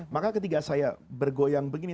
maka ketika saya bergoyang begini